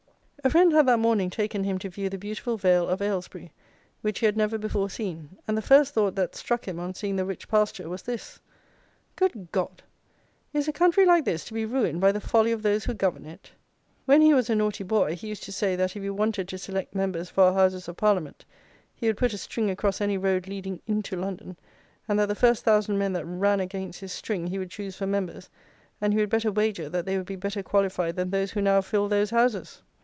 "A friend had that morning taken him to view the beautiful vale of Aylesbury, which he had never before seen; and the first thought that struck him, on seeing the rich pasture, was this, 'Good God! is a country like this to be ruined by the folly of those who govern it?' When he was a naughty boy, he used to say that if he wanted to select Members for our Houses of Parliament, he would put a string across any road leading into London, and that the first 1000 men that ran against his string, he would choose for Members, and he would bet a wager that they would be better qualified than those who now filled those Houses.